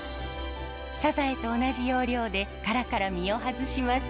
サザエと同じ要領で殻から身を外します。